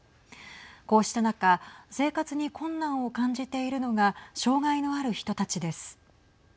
こうした中生活に困難を感じているのが障害のある人たちです。